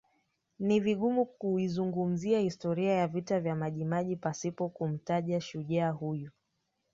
Ni vigumu kuizungumzia Historia ya vita vya Majimaji pasipo kumtaja Shujaa huyu